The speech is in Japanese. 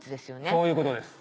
そういうことです。